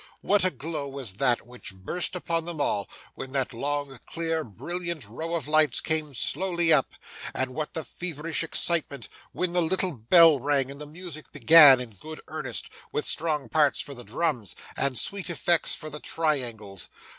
What a glow was that, which burst upon them all, when that long, clear, brilliant row of lights came slowly up; and what the feverish excitement when the little bell rang and the music began in good earnest, with strong parts for the drums, and sweet effects for the triangles!